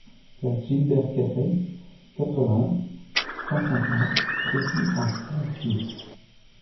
Place Gilbert Gaffet, quatre-vingts, cent cinquante Crécy-en-Ponthieu